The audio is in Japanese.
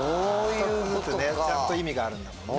１つずつねちゃんと意味があるんだもんね。